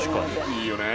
いいよね。